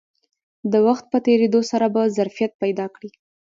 د وخت په تېرېدو سره به ظرفیت پیدا کړي